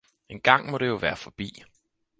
Engang må det jo være forbi!